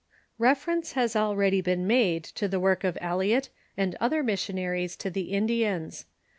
Reference has already been made to the work of Eliot and other missionaries to the Indians.